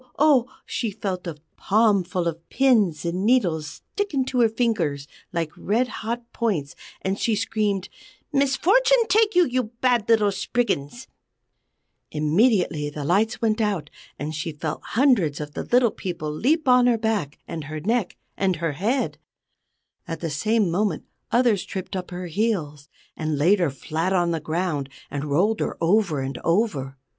oh! she felt a palmful of pins and needles stick into her fingers like red hot points; and she screamed: "Misfortune take you, you bad little Spriggans!" [Illustration: "SHE SAW A WHOLE TROOP OF SPRIGGANS HOLDING AN ELFIN FAIR"] Immediately the lights went out, and she felt hundreds of the Little People leap on her back, and her neck, and her head. At the same moment others tripped up her heels, and laid her flat on the ground, and rolled her over and over.